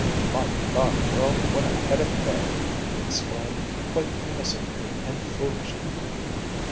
"My God, girl, what a head of hair!" he exclaimed, quite innocently and foolishly.